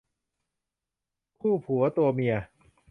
คู่ผัวตัวเมีย